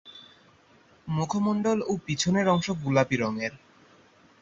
মুখমণ্ডল ও পিছনের অংশ গোলাপী রঙের।